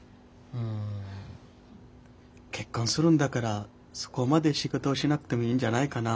うん。結婚するんだからそこまで仕事をしなくてもいいんじゃないかな？